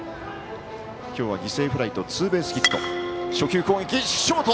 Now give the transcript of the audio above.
今日は犠牲フライとツーベースヒット。